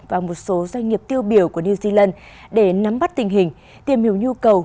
và một số doanh nghiệp tiêu biểu của new zealand để nắm bắt tình hình tìm hiểu nhu cầu